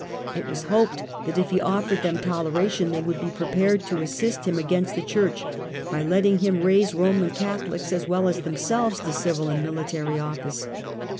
It was hoped that, if he offered them toleration, they would be prepared to assist him against the church by letting him raise Roman Catholics, as well as themselves, to civil and military office.